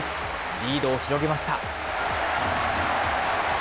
リードを広げました。